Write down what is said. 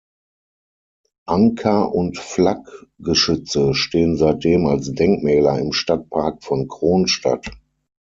Anker und Fla-Geschütze stehen seitdem als Denkmäler im Stadtpark von Kronstadt.